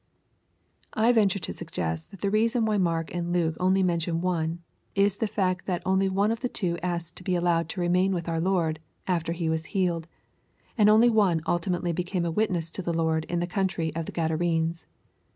I venture to suggest that the reason why Mark and Luke only mention one, is the fact that only one of the two asked to be allowed to remain with our Lord, after he was healed, and only one ultimately became a witness to the Lord in the country of the G adarenes.